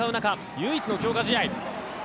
唯一の強化試合。